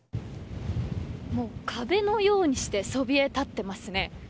壁のようにしてそびえたっていますね。